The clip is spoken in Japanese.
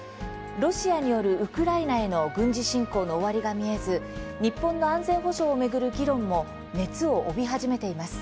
ロシアによるウクライナへの軍事侵攻の終わりが見えず日本の安全保障を巡る議論も熱を帯び始めています。